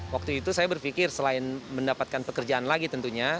waktu itu saya berpikir selain mendapatkan pekerjaan lagi tentunya